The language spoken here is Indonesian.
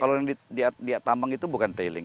kalau yang ditambang itu bukan tailing